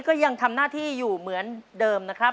ก็ยังทำหน้าที่อยู่เหมือนเดิมนะครับ